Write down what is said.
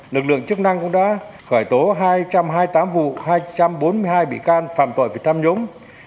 lực lượng chức năng cũng đã khởi tố hai trăm hai mươi tám vụ hai trăm bốn mươi hai bị can phạm tội về tham nhũng